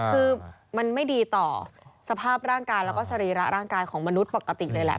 คือมันไม่ดีต่อสภาพร่างกายแล้วก็สรีระร่างกายของมนุษย์ปกติเลยแหละ